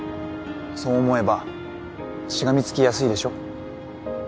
そう思えばしがみつきやすいでしょ